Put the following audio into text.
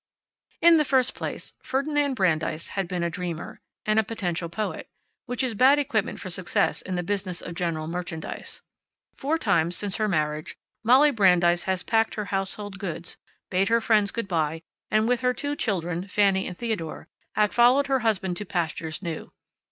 In the first place, Ferdinand Brandeis had been a dreamer, and a potential poet, which is bad equipment for success in the business of general merchandise. Four times, since her marriage, Molly Brandeis had packed her household goods, bade her friends good by, and with her two children, Fanny and Theodore, had followed her husband to pastures new.